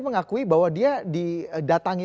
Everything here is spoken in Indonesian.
mengakui bahwa dia didatangi